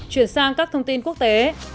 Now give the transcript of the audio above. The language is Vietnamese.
chuyển sang các thông tin quốc tế